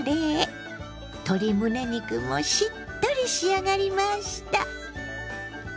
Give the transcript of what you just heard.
鶏むね肉もしっとり仕上がりました。